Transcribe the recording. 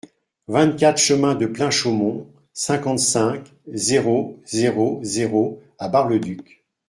vingt-quatre chemin de Plein Chaumont, cinquante-cinq, zéro zéro zéro à Bar-le-Duc